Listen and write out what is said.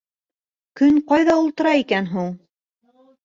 Көн ҡайҙа ултыра икән һуң?